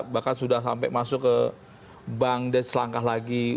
bahkan sudah sampai masuk ke bank dan selangkah lagi